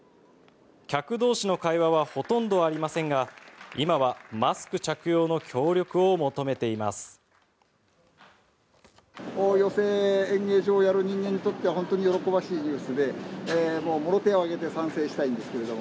客同士の会話はほとんどありませんが今はマスク着用の協力を求めています。